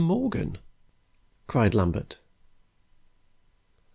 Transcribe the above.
Morgan!" cried Lambert.